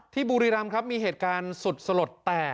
บุรีรำครับมีเหตุการณ์สุดสลดแตก